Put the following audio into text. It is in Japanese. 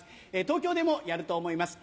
東京でもやると思います